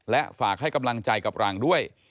และฝากให้กำลังใจกับเราด้วย